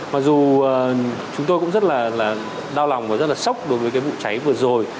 mặc dù chúng tôi cũng rất là đau lòng và rất là sốc đối với cái vụ cháy vừa rồi